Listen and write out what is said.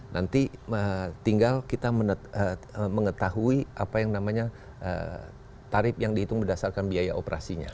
nanti tinggal kita mengetahui apa yang namanya tarif yang dihitung berdasarkan biaya operasinya